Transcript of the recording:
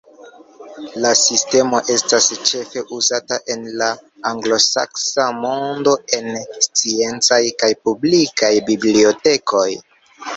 La sistemo estas ĉefe uzata en la anglosaksa mondo en sciencaj kaj publikaj bibliotekoj.